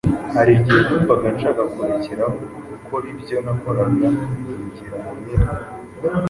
hari igihe numvaga nshaka kurekeraho gukora ibyo nakoraga nkigira mu bindi.